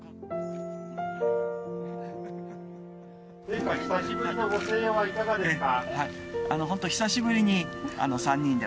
陛下久しぶりのご静養はいかがですか？